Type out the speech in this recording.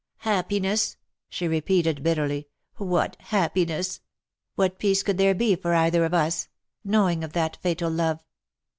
Happiness,'' she repeated, bitterly, '^what happiness? what peace could there be for either of us ? knowing of that fatal love.